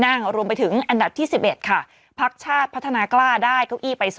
นั่งรวมไปถึงอันดับที่๑๑ค่ะพักชาติพัฒนากล้าได้เก้าอี้ไป๒